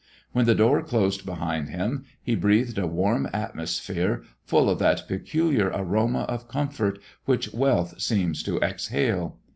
When the door closed behind him, he breathed a warm atmosphere full of that peculiar aroma of comfort which wealth seems to exhale.